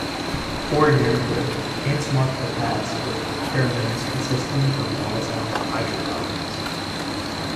For example, ants mark their paths with pheromones consisting of volatile hydrocarbons.